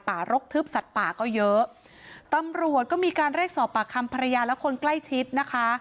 รกทึบสัตว์ป่าก็เยอะตำรวจก็มีการเรียกสอบปากคำภรรยาและคนใกล้ชิดนะคะ